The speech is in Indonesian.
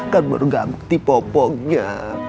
kan baru ganti popoknya